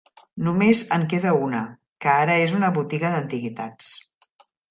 Només en queda una, que ara es una botiga d'antiguitats.